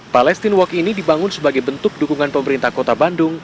palestine walk ini dibangun sebagai bentuk dukungan pemerintah kota bandung